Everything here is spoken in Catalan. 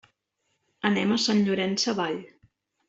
Anem a Sant Llorenç Savall.